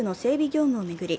業務を巡り